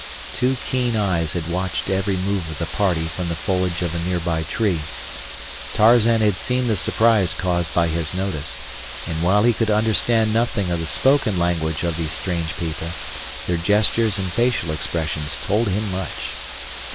Two keen eyes had watched every move of the party from the foliage of a nearby tree. Tarzan had seen the surprise caused by his notice, and while he could understand nothing of the spoken language of these strange people their gestures and facial expressions told him much.